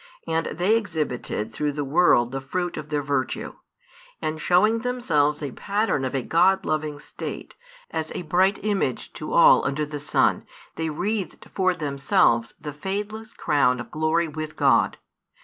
And they exhibited through the world the fruit of their virtue, and showing themselves a pattern of a God loving state, as a bright image to all under the sun, they wreathed for themselves the fadeless crown of glory with God.